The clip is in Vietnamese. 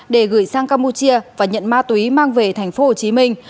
để gửi sang campuchia và nhận ma túy mang về thành phố hồ chí minh